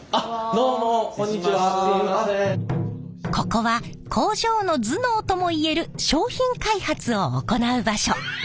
ここは工場の頭脳ともいえる商品開発を行う場所。